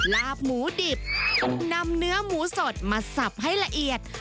ลาบหมูดิบถูกนำเนื้อหมูสดมาสับให้ละเอียด